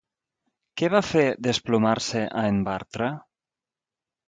Què va fer desplomar-se a en Bartra?